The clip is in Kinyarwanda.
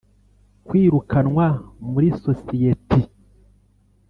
Kwirukanwa muri societi